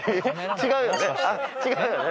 違うよね？